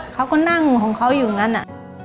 เขาก็นั่งของเขาอยู่นั่นน่ะ